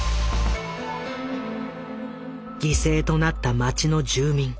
犠牲となった町の住民